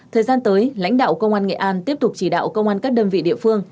thời gian tới lãnh đạo công an nghệ an tiếp tục chỉ đạo công an các đơn vị địa phương